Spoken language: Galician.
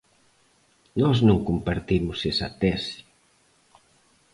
Nós non compartimos esa tese.